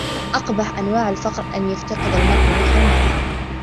أقبح أنواع الفقر أن يفتقد المرء روح المرح.